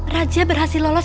raja berhasil lolos